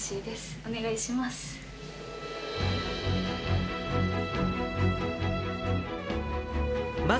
お願いします。